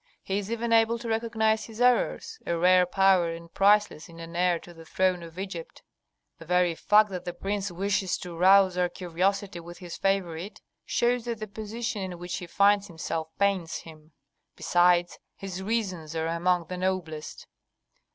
He is even able to recognise his errors, a rare power and priceless in an heir to the throne of Egypt. The very fact that the prince wishes to rouse our curiosity with his favorite shows that the position in which he finds himself pains him; besides, his reasons are among the noblest."